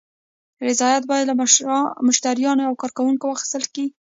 رضایت باید له مشتریانو او کارکوونکو واخیستل شي.